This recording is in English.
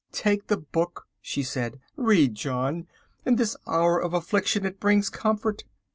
"Take the book," she said. "Read, John, in this hour of affliction; it brings comfort."